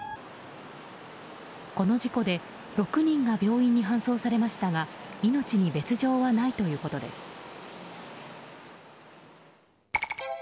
この事故で６人が病院に搬送されましたが命に別条はないということです。